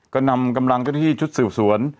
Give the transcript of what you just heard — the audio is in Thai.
ก็นำกำลังเจ้าหน้าที่ชุดสืบสวน